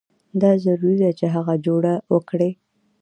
دا ضروري ده چې هغه جوړه وکړي.